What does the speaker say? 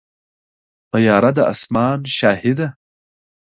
طیاره د اسمان شاهي ده.